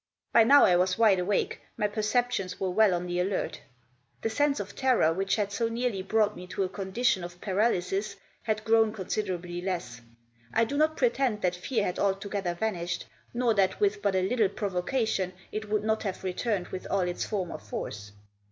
By now I was wide awake, my perceptions were well on the alert. The sense of terror which had so nearly brought me to a condition of paralysis had grown considerably less. I do not pretend that fear had altogether vanished, nor that with but a little provocation it would not have returned with all its former force.